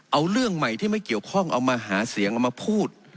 เอาเรื่องใหม่ที่ไม่เกี่ยวข้องเอามาหาเสียงเอามาพูด